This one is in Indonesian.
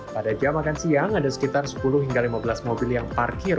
pada jam makan siang ada sekitar sepuluh hingga lima belas mobil yang parkir